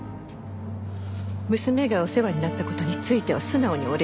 娘がお世話になった事については素直にお礼を言うわ。